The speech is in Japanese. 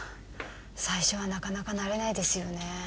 最初はなかなか慣れないですよね